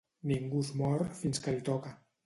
Ningú es mor fins que li toca.